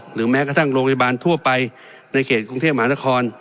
แม้กระทั่งโรงพยาบาลทั่วไปในเขตกรุงเทพมหานคร